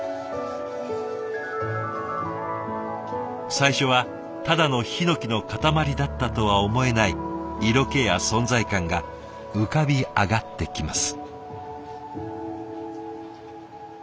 最初はただのヒノキの塊だったとは思えない色気や存在感が浮かび上がってきます。